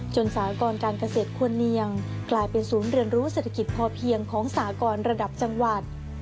สากรการเกษตรควรเนียงกลายเป็นศูนย์เรียนรู้เศรษฐกิจพอเพียงของสากรระดับจังหวัด